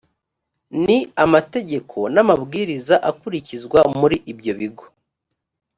ni amategeko n’amabwiriza akurikizwa muri ibyo bigo